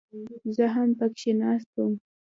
زه هم پکښې ناست وم.